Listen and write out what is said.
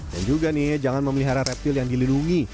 dan juga nih jangan memelihara reptil yang dilindungi